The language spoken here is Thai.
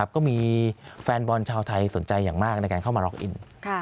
ก็มีแฟนบอลชาวไทยสนใจอย่างมากในการเข้ามาล็อกอิน